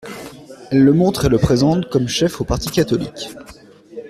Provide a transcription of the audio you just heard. Elle le montre et le présente comme chef au parti catholique.